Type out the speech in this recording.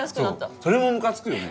そうそれもムカつくよね。